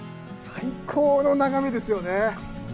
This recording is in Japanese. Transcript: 最高の眺めですよね。